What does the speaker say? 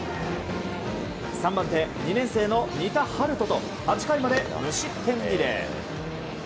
３番手、２年生の仁田陽翔と８回まで無失点リレー。